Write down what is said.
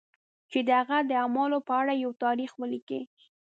چې د هغه د اعمالو په اړه یو تاریخ ولیکي.